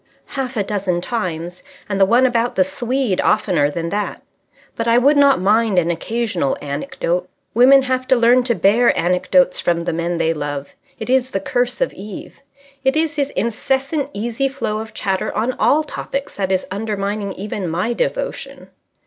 "Half a dozen times. And the one about the Swede oftener than that. But I would not mind an occasional anecdote. Women have to learn to bear anecdotes from the men they love. It is the curse of Eve. It is his incessant easy flow of chatter on all topics that is undermining even my devotion."